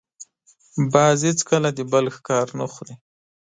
باز هېڅکله د بل ښکار نه خوري